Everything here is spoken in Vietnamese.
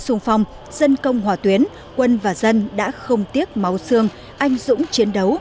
sung phong dân công hòa tuyến quân và dân đã không tiếc máu xương anh dũng chiến đấu